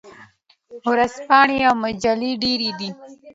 ورځپاڼې او مجلې ډیرې دي.